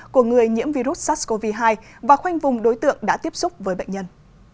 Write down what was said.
của người nhiễm virus sars cov hai và khoanh vùng đối tượng đã tiếp xúc với bệnh nhân